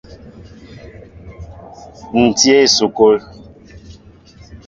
Ǹ tí a esukul.